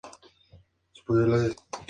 John the Baptist Cathedral" o "St.